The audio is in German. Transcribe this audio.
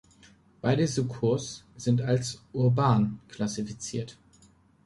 Beide Sucos sind als „urban“ klassifiziert.